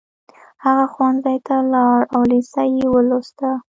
هغه ښوونځي ته لاړ او لېسه يې ولوسته.